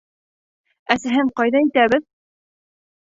Әсәһен ҡайҙа итәбеҙ?